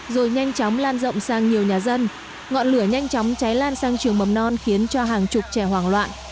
rồi nhanh chóng lan rộng sang nhiều nhà dân ngọn lửa nhanh chóng cháy lan sang trường mầm non khiến cho hàng chục trẻ hoảng loạn